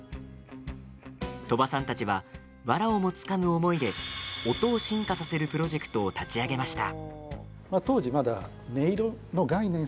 鳥羽さんたちはわらをもつかむ思いで音を進化させるプロジェクトを立ち上げました。